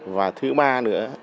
và thứ ba nữa